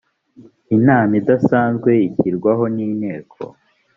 inama idasanzwe ishyirwaho n inteko